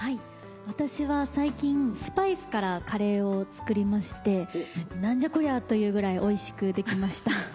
私は最近スパイスからカレーを作りましてなんじゃこりゃあというぐらいおいしくできました。